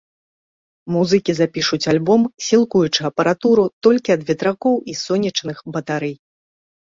Музыкі запішуць альбом, сілкуючы апаратуру толькі ад ветракоў і сонечных батарэй.